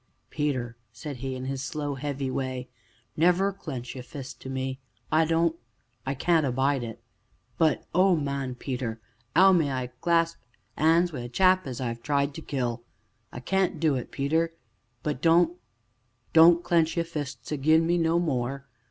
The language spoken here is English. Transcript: "Peter," said he, in his slow, heavy way, "never clench ye fists to me don't I can't abide it. But oh, man, Peter! 'ow may I clasp 'ands wi' a chap as I've tried to kill I can't do it, Peter but don't don't clench ye fists again me no more.